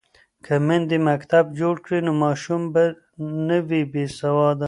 که میندې مکتب جوړ کړي نو ماشوم به نه وي بې سواده.